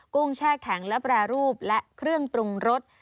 ุ้งแช่แข็งและแปรรูปและเครื่องปรุงรส